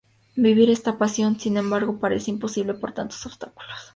Vivir esta pasión, sin embargo, parece imposible por tantos obstáculos.